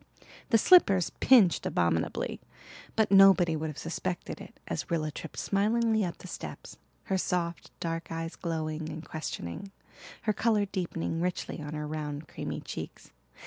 The slippers pinched abominably, but nobody would have suspected it as Rilla tripped smilingly up the steps, her soft dark eyes glowing and questioning, her colour deepening richly on her round, creamy cheeks.